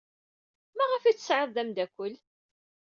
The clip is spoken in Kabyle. Maɣef ay t-tesɛid d ameddakel?